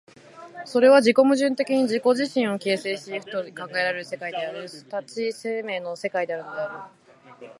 それは自己矛盾的に自己自身を形成し行くと考えられる世界である、即ち生命の世界であるのである。